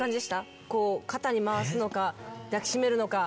肩に回すのか抱き締めるのか。